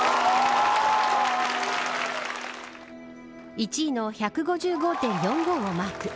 １位の１５５．４５をマーク。